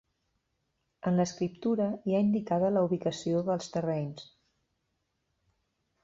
En l'escriptura hi ha indicada la ubicació dels terrenys.